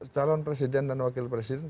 calon presiden dan wakil presiden